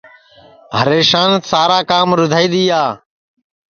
ہریشان سارا کام رُدھائی دؔیا